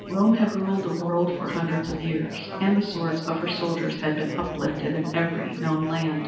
Rome had ruled the world for hundreds of years and the swords of her soldiers had been uplifted in every known land.